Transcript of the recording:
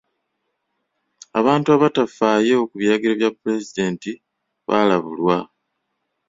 Abantu abatafaayo ku biragiro bya pulezidenti baalabulwa.